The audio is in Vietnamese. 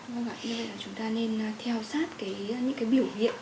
như vậy là chúng ta nên theo sát những cái biểu hiện